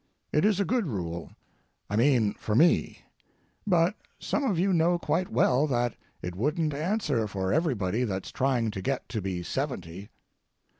It is a good rule. I mean, for me; but some of you know quite well that it wouldn't answer for everybody that's trying to get to be seventy.